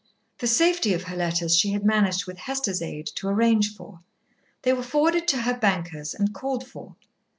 The safety of her letters she had managed, with Hester's aid, to arrange for. They were forwarded to her bankers and called for.